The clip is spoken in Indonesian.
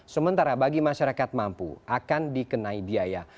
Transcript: sementara bagi masyarakat mampu akan dikenai biaya